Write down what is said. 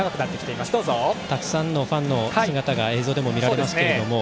たくさんのファンの姿が映像でも見られますけれども。